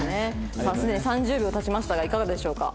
すでに３０秒経ちましたがいかがでしょうか？